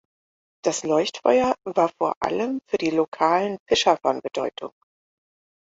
Das Leuchtfeuer war vor allem für die lokalen Fischer von Bedeutung.